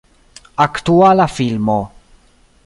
Aktuala filmo.